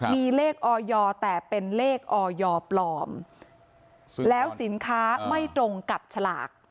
มีเลขออยแต่เป็นเลขออยปลอมแล้วสินค้าไม่ตรงกับฉลาก